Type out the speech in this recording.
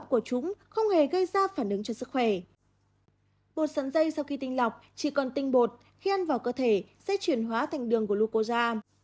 bột sắn dây sau khi tinh lọc chỉ còn tinh bột khi ăn vào cơ thể sẽ chuyển hóa thành đường glucosa